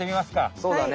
そうだね。